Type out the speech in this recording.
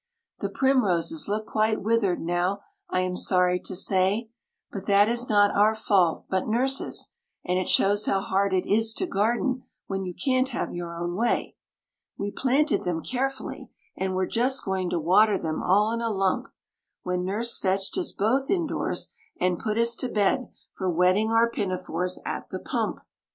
The primroses look quite withered now, I am sorry to say, But that is not our fault but Nurse's, and it shows how hard it is to garden when you can't have your own way. We planted them carefully, and were just going to water them all in a lump, When Nurse fetched us both indoors, and put us to bed for wetting our pinafores at the pump.